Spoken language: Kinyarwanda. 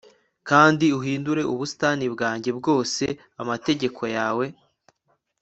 kandi uhindure ubusitani bwanjye bwose amategeko yawe